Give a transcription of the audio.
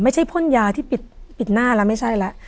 ไม่ใช่พ่นยาที่ปิดหน้าละไม่ใช่ละ